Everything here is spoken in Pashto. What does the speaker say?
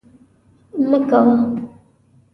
مه کوه